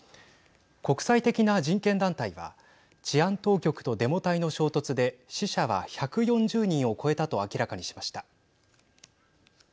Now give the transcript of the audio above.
国際的な人権団体は治安当局とデモ隊の衝突で死者は１４０人を超えたと明らかにしました。